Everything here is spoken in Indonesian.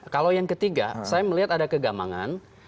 kalau yang ketiga saya melihat ada kegamangan